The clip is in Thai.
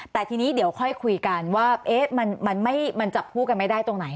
แต่ทีนี้เดี๋ยวค่อยคุยกันว่ามันจับคู่กันไม่ได้ตรงไหน